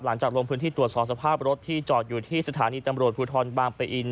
หลังจากลงพื้นที่ตรวจสอบสภาพรถที่จอดอยู่ที่สถานีตำรวจภูทรบางปะอิน